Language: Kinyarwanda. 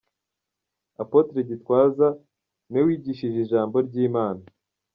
Apotre Gitwaza ni we wigishije ijambo ry'Imana.